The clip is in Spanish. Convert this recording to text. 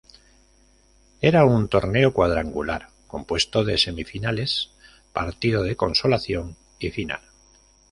Era un torneo cuadrangular compuesto de semifinales, partido de consolación y final.